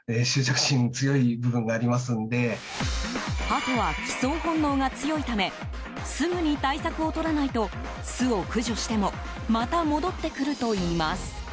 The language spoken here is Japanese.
ハトは帰巣本能が強いためすぐに対策をとらないと巣を駆除してもまた戻ってくるといいます。